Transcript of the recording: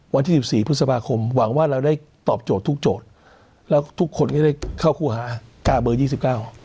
วันที่สิบสี่พฤษภาคมหวังว่าเราได้ตอบโจทย์ทุกโจทย์แล้วทุกคนก็ได้เข้าคู่หากล้าเบอร์ยี่สิบเก้า